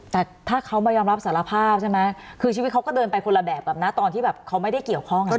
แต่ถ้าเขามายอมรับสารภาพใช่ไหมคือชีวิตเขาก็เดินไปคนละแบบกับนะตอนที่แบบเขาไม่ได้เกี่ยวข้อง